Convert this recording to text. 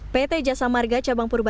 pt jasa marga cabang purba